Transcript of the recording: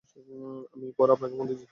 আমি পরে আপনাকে ফোন দিচ্ছি!